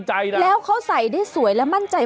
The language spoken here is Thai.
อ้าวเก้าว่าไป